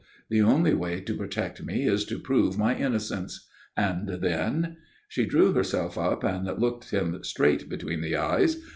_" "The only way to protect me is to prove my innocence." "And then?" She drew herself up and looked him straight between the eyes.